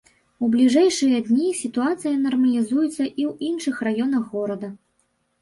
У бліжэйшыя дні сітуацыя нармалізуецца і ў іншых раёнах горада.